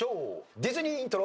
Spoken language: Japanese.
ディズニーイントロ。